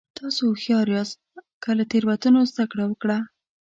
تاسو هوښیار یاست که له تېروتنو زده کړه وکړه.